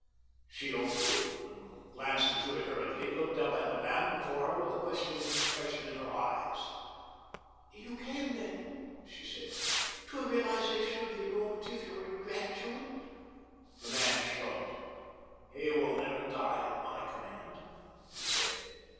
She opened it and, glancing through it hurriedly, looked up at the man before her with a questioning expression in her eyes. "You came, then," she said, "to a realization of the enormity of your ingratitude?" The man shrugged. "He will never die at my command," he said.